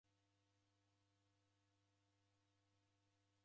Okundiloghe ni w'andu w'engi.